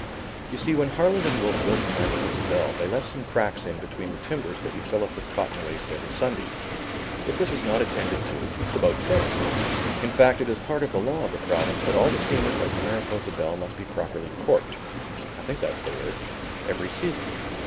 You see when Harland and Wolff built the Mariposa Belle, they left some cracks in between the timbers that you fill up with cotton waste every Sunday. If this is not attended to, the boat sinks. In fact, it is part of the law of the province that all the steamers like the Mariposa Belle must be properly corked, I think that is the word, every season.